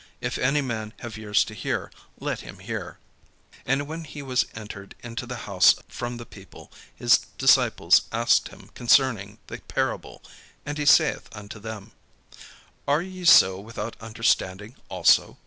If any man have ears to hear, let him hear." And when he was entered into the house from the people, his disciples asked him concerning the parable. And he saith unto them: "Are ye so without understanding also?